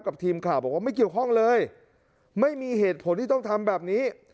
ทีมข่าวบอกว่าไม่เกี่ยวข้องเลยไม่มีเหตุผลที่ต้องทำแบบนี้